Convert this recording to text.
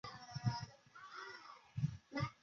最高检检察长张军强调